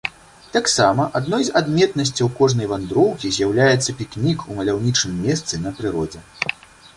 Таксама адной з адметнасцяў кожнай вандроўкі з'яўляецца пікнік у маляўнічым месцы на прыродзе.